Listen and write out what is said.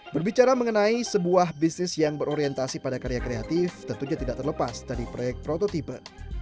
berbicara mengenai sebuah bisnis yang berorientasi pada karya kreatif tentunya tidak terlepas dari proyek prototipe